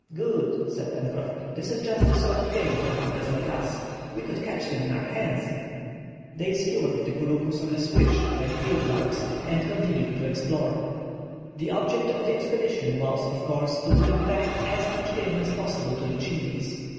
"Good," said Pencroff, "this is just the sort of game for hunters like us. We could catch them in our hands." They skewered the couroucous on a switch like field larks, and continued to explore. The object of the expedition was, of course, to bring back as much game as possible to the Chimneys.